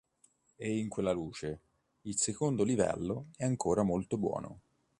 E in quella luce, il secondo livello è ancora molto buono".